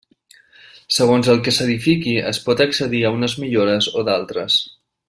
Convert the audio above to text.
Segons el que s'edifiqui, es pot accedir a unes millores o d'altres.